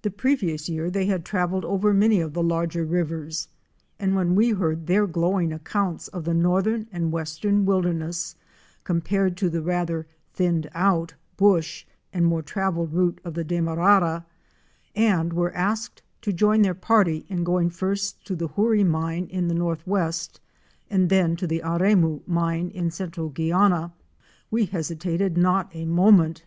The previous year they had travelled over many of the larger rivers and when we heard their glow ing accounts of the northern and western wilderness com pared to the rather thinned out '' bush' and more travelled route of the Demarara, and were asked to join their party in going first to the Hoorie Mine in the northwest and then to the Aremu Mine in central Guiana, we hesitated not a moment.